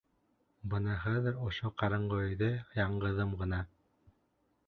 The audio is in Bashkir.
Бына хәҙер ошо ҡараңғы өйҙә яңғыҙым ғына.